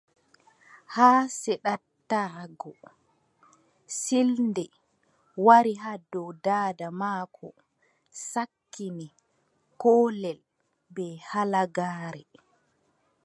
Haa seɗata go, siilde wari haa dow daada maako, sakkini koolel bee halagaare.